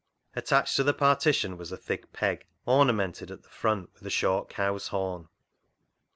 Attached to the partition was a thick peg, ornamented at the front with a short cow's horn.